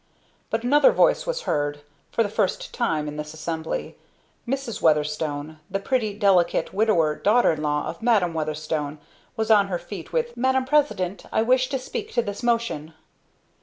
But another voice was heard for the first time in that assembly Mrs. Weatherstone, the pretty, delicate widower daughter in law of Madam Weatherstone, was on her feet with "Madam President! I wish to speak to this motion."